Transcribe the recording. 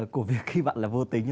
của việc khi bạn là vô tình